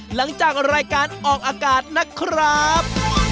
หลังจากรายการออกอากาศนะครับ